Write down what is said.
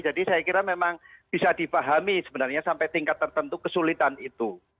jadi saya kira memang bisa dipahami sebenarnya sampai tingkat tertentu kesulitan itu